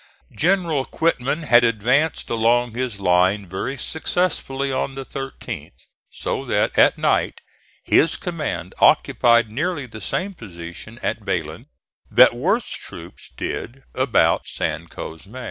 General Quitman had advanced along his line very successfully on the 13th, so that at night his command occupied nearly the same position at Belen that Worth's troops did about San Cosme.